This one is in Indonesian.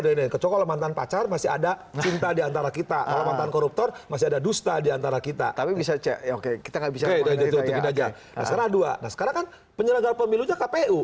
sekarang kan penyelenggar pemilunya kpu